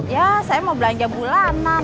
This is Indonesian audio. ya saya mau belanja bulanan